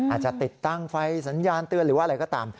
อาจจะติดตั้งไฟสัญญาณเตือนหรือว่าอะไรก็ตาม